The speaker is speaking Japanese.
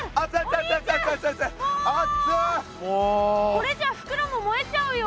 これじゃあ袋も燃えちゃうよ。